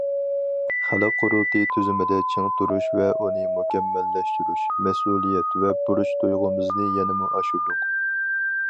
خەلق قۇرۇلتىيى تۈزۈمىدە چىڭ تۇرۇش ۋە ئۇنى مۇكەممەللەشتۈرۈش مەسئۇلىيەت ۋە بۇرچ تۇيغۇمىزنى يەنىمۇ ئاشۇردۇق.